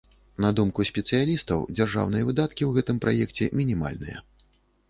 На думку спецыялістаў, дзяржаўныя выдаткі ў гэтым праекце мінімальныя.